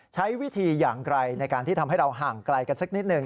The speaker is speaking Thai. ใช้วิธีอย่างไรในการที่ทำให้เราห่างไกลกันสักนิดหนึ่ง